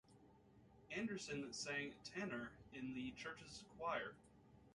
Anderson sang tenor in the church's choir.